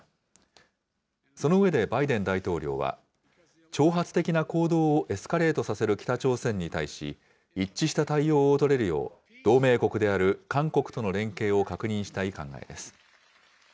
その上で、バイデン大統領は、挑発的な行動をエスカレートさせる北朝鮮に対し、一致した対応を取れるよう、同盟国である韓国との連携を確認したい考えです。